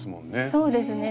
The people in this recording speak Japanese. そうですね。